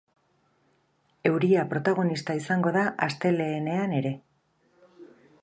Euria protagonista izango da astelehenean ere.